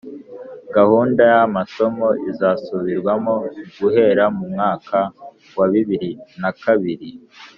gahunda y'amasomo izasubirwamo guhera mu mwaka wa bibiri na kabiri